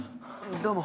どうも。